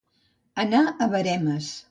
Anar a veremes.